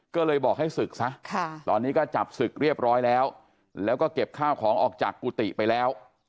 ก็เลยบอกให้ศึกซะตอนนี้ก็จับศึกเรียบร้อยแล้วแล้วก็เก็บข้าวของออกจากกุฏิไปแล้ว